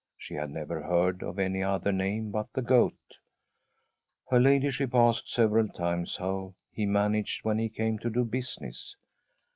She had never heard of any other name but the Goat. Her ladyship asked several times how he managed when he came to do business.